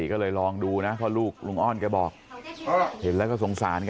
ติก็เลยลองดูนะพอลูกลูกอ้อนแกบอกเห็นแล้วก็สงสารกันนะ